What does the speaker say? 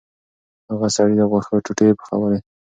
هغه سړي د غوښو ټوټې پخولې.